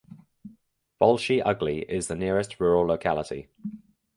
Bolshiye Ugly is the nearest rural locality.